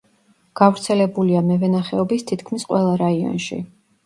გავრცელებულია მევენახეობის თითქმის ყველა რაიონში.